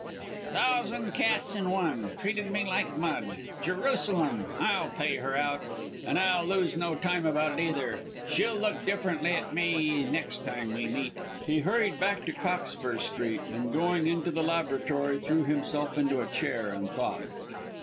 "A thousand cats in one! Treated me like mud. Jerusalem! I'll pay her out. And I'll lose no time about it either. She'll look differently at me next time we meet." He hurried back to Cockspur Street and going into the laboratory, threw himself into a chair and thought.